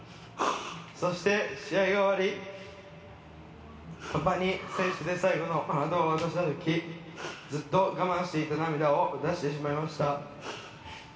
「そして試合が終わりパパに選手で最後の花束を渡したときずっと我慢していた涙を出してしまいました」